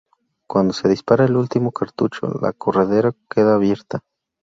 Cuando se dispara el último cartucho, la corredera queda abierta.